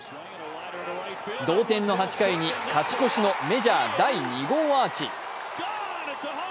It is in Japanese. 同点の８回に勝ち越しのメジャー第２号アーチ。